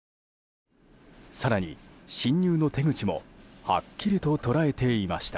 更に、侵入の手口もはっきりと捉えていました。